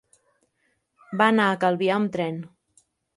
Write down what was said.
Va anar a Calvià amb tren.